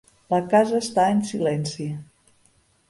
La casa està en silenci.